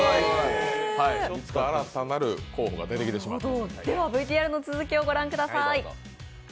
新たなる候補が出てきてしまったと。